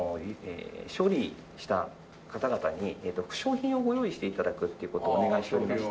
勝利した方々に副賞品をご用意して頂くっていう事をお願いしておりまして。